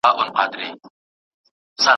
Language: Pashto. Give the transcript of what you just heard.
د مرګ سېل یې په غېږ کي دی باران په باور نه دی